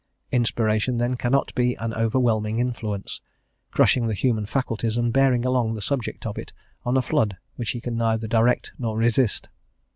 Inspiration, then, cannot be an overwhelming influence, crushing the human faculties and bearing along the subject of it on a flood which he can neither direct nor resist.